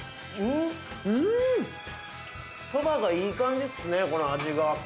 そばがいい感じすっね、この味が。